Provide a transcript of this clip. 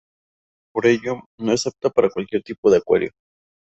Por ello, no es apta para cualquier tipo de acuario.